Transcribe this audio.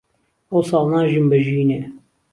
ئەوساڵ ناژیم بە ژینێ